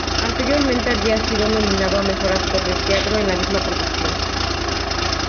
Anteriormente había sido nominado a mejor actor de teatro en la misma producción.